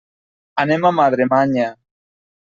Anem a Madremanya.